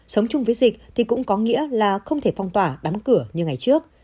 sống chung với dịch thì cũng có nghĩa là không thể phong tỏa đóng cửa như ngày trước